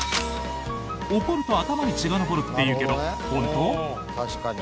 怒ると頭に血が上るって言うけど本当？